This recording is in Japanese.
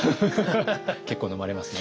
結構飲まれますね？